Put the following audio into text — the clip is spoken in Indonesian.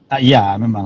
ah iya memang